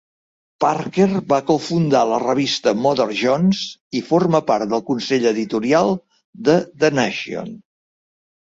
Parker va cofundar la revista "Mother Jones" i forma part del consell editorial de "The Nation".